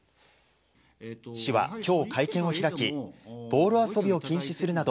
市は今日、会見を開きボール遊びを禁止するなど